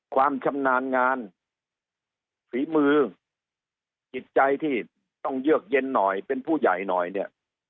ความชำนาญงานฝีมือจิตใจที่ต้องเยือกเย็นหน่อยเป็นผู้ใหญ่หน่อยเนี่ย